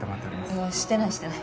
いやしてないしてない。